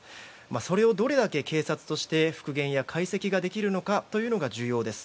それをどれだけ警察として復元や解析ができるのかが重要です。